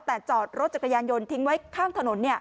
แต่จอดรถจักรยานยนต์ทิ้งไว้ข้างถนน